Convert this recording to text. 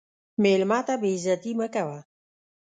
مېلمه ته بې عزتي مه کوه.